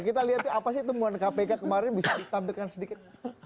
kita lihat apa sih temuan kpk kemarin bisa ditampilkan sedikit